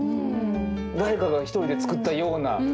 誰かが１人で作ったような。